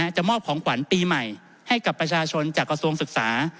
จะมอบของขวัญปีใหม่ให้กับประชาชนจากกระทรวงศึกษา